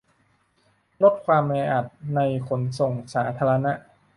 ลดความแออัดในขนส่งสาธารณะ